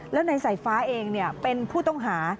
แล้วในสายฟ้าเองเป็นผู้ต้องหา